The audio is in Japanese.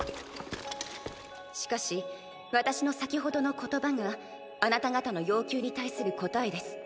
しかし私の先ほどの言葉があなた方の要求に対する答えです。